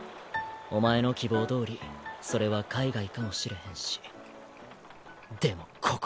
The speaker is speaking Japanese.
お前の希望どおりそれは海外かもしれへんし。